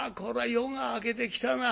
夜が明けてきたな。